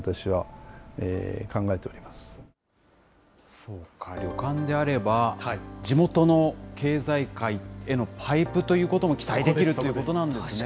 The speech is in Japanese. そうか、旅館であれば、地元の経済界へのパイプということも期待できるということなんで確かに。